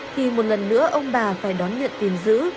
thì một lần nữa ông bà phải đón nhận tiền giữ